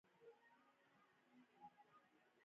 نه هر څه چې وولس وکاروي معیاري دي.